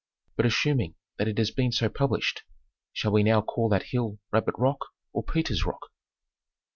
But assuming that it has been so published, shall we now call that hill Rabbit Rock or Peter's Rock